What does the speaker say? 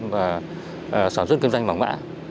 và sản xuất kinh doanh vàng mã